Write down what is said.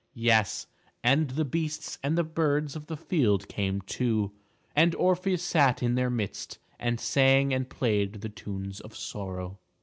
Yes, and the beasts and the birds of the field came too, and Orpheus sat in their midst and sang and played the tunes of sorrow.